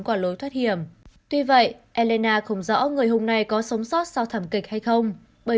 qua lối thoát hiểm tuy vậy elena không rõ người hùng này có sống sót sau thảm kịch hay không bởi